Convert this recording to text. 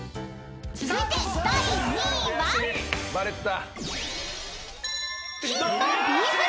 ［続いて第２位は？］えっ！？